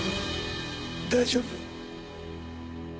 大丈夫？